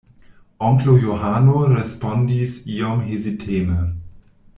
Onklo Johano respondis iom heziteme: